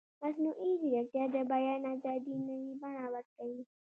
مصنوعي ځیرکتیا د بیان ازادي نوې بڼه ورکوي.